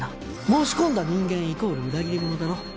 申し込んだ人間イコール裏切り者だろ。